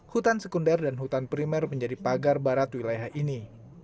hutan sekunder dan hutan primer menjadi pagar barat wilayah ini